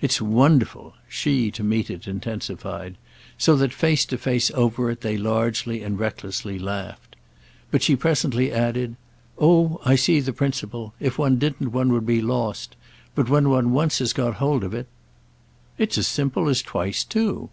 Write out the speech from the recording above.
"It's wonderful!" she, to meet it, intensified; so that, face to face over it, they largely and recklessly laughed. But she presently added: "Oh I see the principle. If one didn't one would be lost. But when once one has got hold of it—" "It's as simple as twice two!